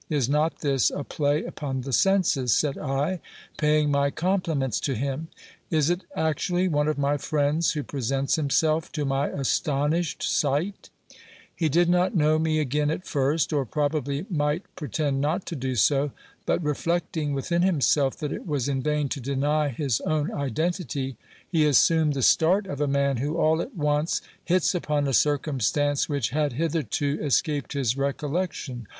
Is not this a play upon the senses ? said I, paying my compliments to him. Is it actually one of my friends who presents himself to my astonished sight ? He did not know me again at first, or probably might pretend not to do so ; but reflecting within himself that it was in vain to deny his own identity, he assumed the start of a man who all at once hits upon a circumstance which had hitherto escaped his recollection.